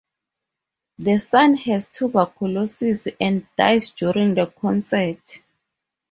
The son has tuberculosis and dies during the concert.